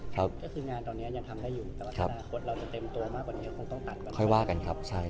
เราก็ได้เห็นอะไรมาเยอะเรื่องค้าบ้าง